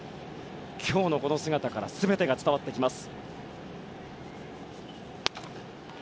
今日のこの姿から全てが伝わってきます。